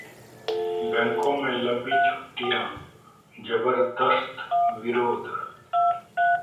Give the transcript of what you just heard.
बैंकों में लंबी छुट्टियां, जबरदस्त विरोध